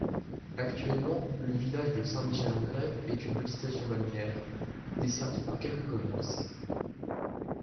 Actuellement, le village de Saint-Michel-en-Grève est une petite station balnéaire, desservie par quelques commerces.